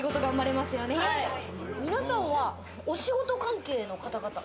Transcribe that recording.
皆さんはお仕事関係の方々？